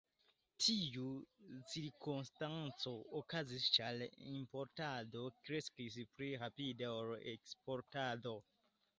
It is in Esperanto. Tiu cirkonstanco okazis ĉar importado kreskis pli rapide ol eksportado.